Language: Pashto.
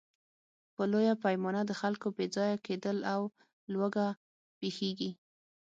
په لویه پیمانه د خلکو بېځایه کېدل او لوږه پېښېږي.